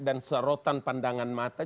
dan serotan pandangan mata